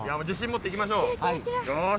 自信持って行きましょう！